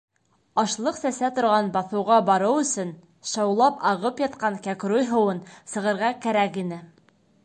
Ашлыҡ сәсә торған баҫыуға барыу өсөн шаулап ағып ятҡан Кәкруй һыуын сығырға кәрәк ине.